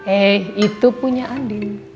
eh itu punya andi